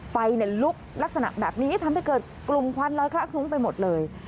ไฟลุกลักษณะแบบนี้ทำให้เกิดกลุ่มควันลอยคละคลุ้งไปหมดเลย